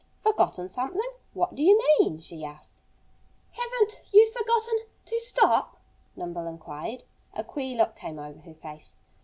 "Forgotten something? What do you mean?" she asked. "Haven't you forgotten to stop?" Nimble inquired. A queer look came over her face.